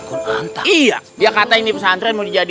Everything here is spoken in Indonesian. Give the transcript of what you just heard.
udah dapet informasi